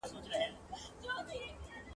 هر کورته امن ور رسېدلی !.